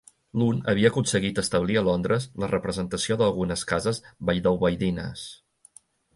L'un havia aconseguit establir a Londres la representació d'algunes cases valldalbaidines.